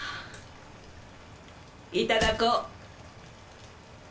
いただこう。